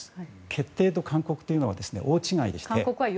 決定と勧告というのは大違いでして。